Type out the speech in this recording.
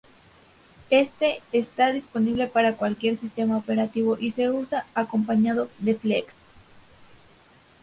Este está disponible para cualquier sistema operativo y se usa acompañado de Flex.